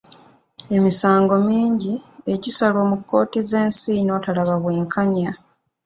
Emisango mingi egisalwa mu kkooti z'ensi n'otalaba bwenkanya.